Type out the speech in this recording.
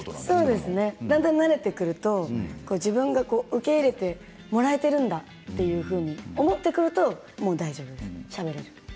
そうですね、だんだん慣れてくると自分が受け入れてもらえるんだと思ってくるともう大丈夫しゃべる。